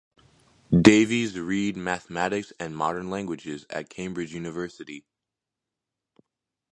Davies read mathematics and modern languages at Cambridge University.